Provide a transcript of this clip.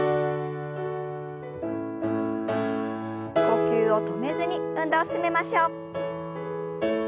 呼吸を止めずに運動を進めましょう。